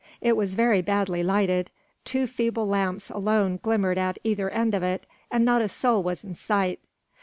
It was very badly lighted; two feeble lamps alone glimmered at either end of it, and not a soul was in sight.